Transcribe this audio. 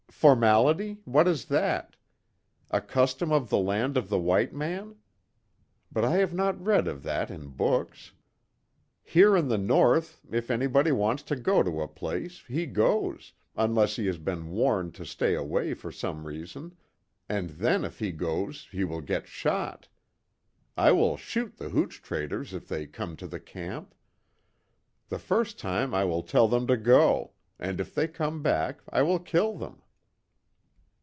Formality what is that? A custom of the land of the white man? But I have not read of that in books. Here in the North if anybody wants to go a place, he goes, unless he has been warned to stay away for some reason, and then if he goes he will get shot. I will shoot the hooch traders if they come to the camp. The first time I will tell them to go and if they come back I will kill them."